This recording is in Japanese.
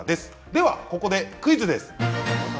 ではここでクイズです。